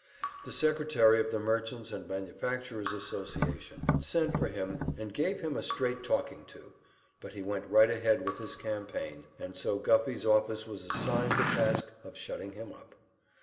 The secretary of the Merchants' and Manufacturers' Association sent for him and gave him a straight talking to, but he went right ahead with his campaign, and so Guffey's office was assigned the task of shutting him up.